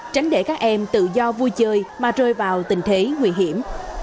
tránh để các em tự do vui chơi mà rơi vào tình thế nguy hiểm